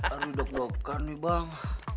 ardi udah mabok kan nih bang